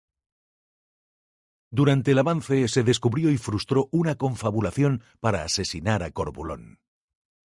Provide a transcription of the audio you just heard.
Durante el avance, se descubrió y frustró una confabulación para asesinar a Corbulón.